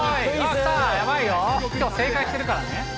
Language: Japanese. きょう正解してるからね。